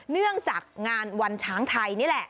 เนื่องจากงานวันช้างไทย